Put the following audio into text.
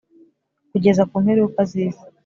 kugeza ku mperuka, zisi